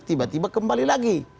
tiba tiba kembali lagi